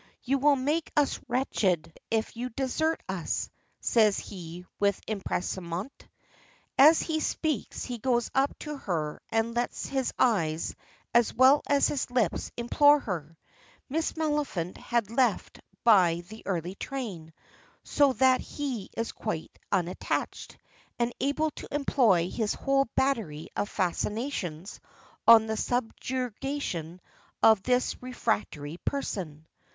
"You will make us wretched if you desert us," says he with empressement. As he speaks he goes up to her and lets his eyes as well as his lips implore her. Miss Maliphant had left by the early train, so that he is quite unattached, and able to employ his whole battery of fascinations on the subjugation of this refractory person.